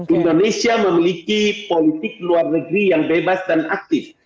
indonesia memiliki politik luar negeri yang bebas dan aktif